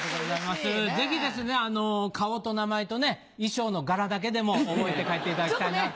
ぜひですね顔と名前と衣装の柄だけでも覚えて帰っていただきたいなと。